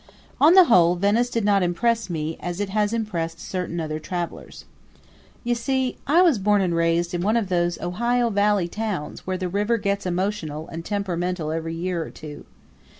On the whole, Venice did not impress me as it has impressed certain other travelers. You see, I was born and raised in one of those Ohio Valley towns where the river gets emotional and temperamental every year or two.